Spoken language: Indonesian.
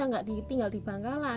anda tidak tinggal di bangkalan